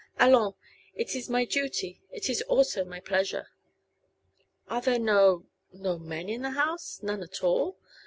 Allons! it is my duty; it is also my pleasure." "Are there no no men in the house none at all?"